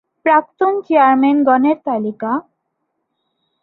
প্রাক্তন চেয়ারম্যানগণের তালিকা